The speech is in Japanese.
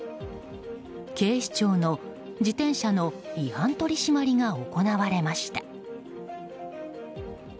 警視庁の自転車の違反取り締まりが行われました。